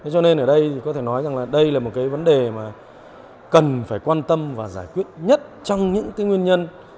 cho nên ở đây có thể nói rằng đây là một vấn đề cần phải quan tâm và giải quyết nhất trong những nguyên nhân